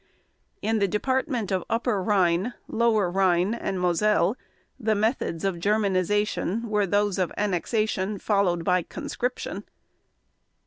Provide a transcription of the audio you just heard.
In the Department of Upper Rhine, Lower Rhine, and Moselle, the methods of Germanization were those of annexation followed by conscription.